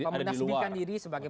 menasbihkan diri sebagai